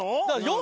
「４」